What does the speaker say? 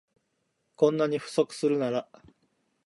こんなに不足するなら